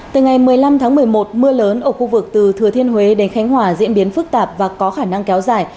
từ ngày một mươi năm tháng một mươi một mưa lớn ở khu vực từ thừa thiên huế đến khánh hòa diễn biến phức tạp và có khả năng kéo dài